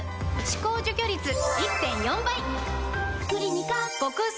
歯垢除去率 １．４ 倍！